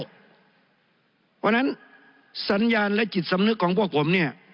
เพราะฉะนั้นสัญญาณและจิตสำนึกของพวกผมเนี่ย